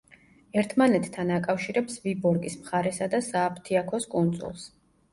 ერთმანეთთან აკავშირებს ვიბორგის მხარესა და სააფთიაქოს კუნძულს.